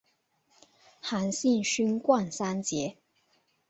韩信勋冠三杰。